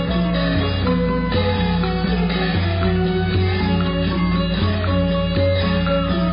กรรมต่อสอนภูมิห่วงแดนใจยังสะทิดนี้กูพบเกิดไปแล้ว